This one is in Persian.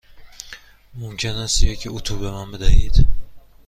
ممکن است یک اتو به من بدهید؟